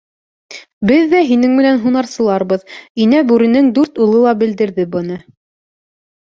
— Беҙ ҙә һинең менән һунарсыларбыҙ, — Инә Бүренең дүрт улы ла белдерҙе быны.